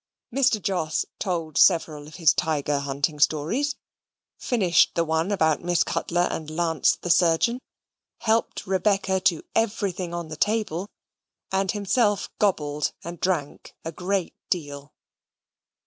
Mr. Jos told several of his tiger hunting stories, finished the one about Miss Cutler and Lance the surgeon; helped Rebecca to everything on the table, and himself gobbled and drank a great deal.